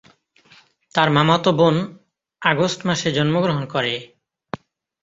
তার মামাতো বোন আগস্ট মাসে জন্মগ্রহণ করে।